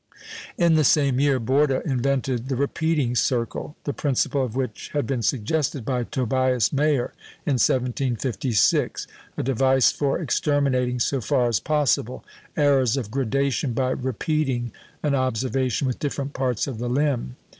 In the same year, Borda invented the "repeating circle" (the principle of which had been suggested by Tobias Mayer in 1756), a device for exterminating, so far as possible, errors of graduation by repeating an observation with different parts of the limb.